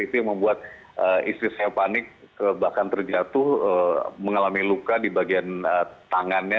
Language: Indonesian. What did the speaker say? itu yang membuat istri saya panik bahkan terjatuh mengalami luka di bagian tangannya